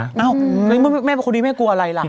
เอ้าแล้วแม่คนนี้แม่กลัวอะไรล่ะ